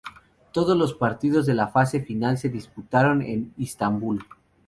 Todos los partidos de la fase final se disputaron en Istanbul.